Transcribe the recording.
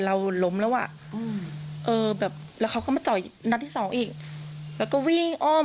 ด้านแม่คนเจ็บเผยผู้ต้องหาพฤติกรรมสุดโหด